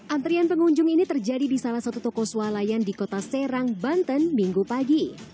antrian pengunjung ini terjadi di salah satu toko swalayan di kota serang banten minggu pagi